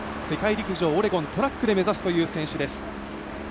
世界陸上オレゴン、トラックで目指すという選手です。